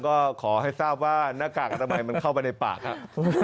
ก็ขอให้ทราบว่าหน้ากากอนามัยมันเข้าไปในปากครับ